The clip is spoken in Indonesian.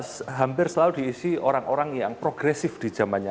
ya hampir selalu diisi orang orang yang progresif di zamannya